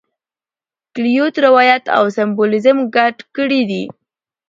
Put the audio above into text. کویلیو روایت او سمبولیزم ګډ کړي دي.